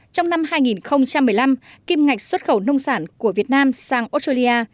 trong năm hai nghìn một mươi năm kim ngạch xuất khẩu nông sản của việt nam sang australia